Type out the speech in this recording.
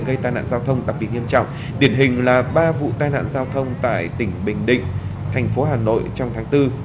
gây tai nạn giao thông đặc biệt nghiêm trọng điển hình là ba vụ tai nạn giao thông tại tỉnh bình định thành phố hà nội trong tháng bốn